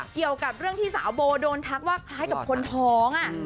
เกี่ยวกับเรื่องที่สาวโบโดนทักว่าคล้ายกับคนท้อง